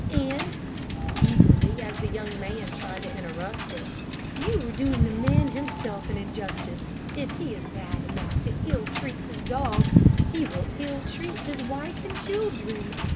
And," eagerly, as the young man tried to interrupt her, "you are doing the man himself an injustice. If he is bad enough to ill treat his dog, he will ill treat his wife and children.